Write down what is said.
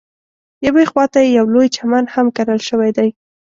یوې خواته یې یو لوی چمن هم کرل شوی دی.